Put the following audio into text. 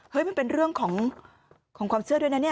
มันเป็นเรื่องของความเชื่อด้วยนะเนี่ย